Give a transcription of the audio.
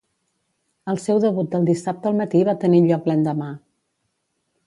El seu debut del dissabte al matí va tenir lloc l'endemà.